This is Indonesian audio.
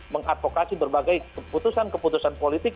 mengadvokasi berbagai keputusan keputusan politik